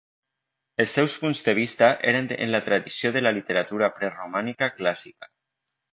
Els seus punts de vista eren en la tradició de la literatura preromàntica clàssica.